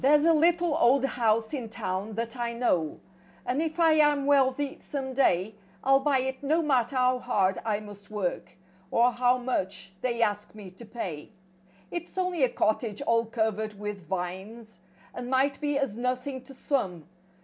V A LITTLE old house in town that I know, f* And if I am wealthy some day, I'll buy it no matter how hard I must work, Or how much they ask me to pay. It's only a cottage all covered with vines. And might be as nothing to some.